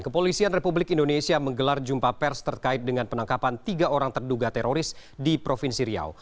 kepolisian republik indonesia menggelar jumpa pers terkait dengan penangkapan tiga orang terduga teroris di provinsi riau